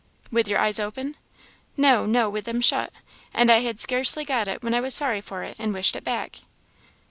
"With your eyes open?" "No, no, with them shut. And I had scarcely got it when I was sorry for it, and wished it back."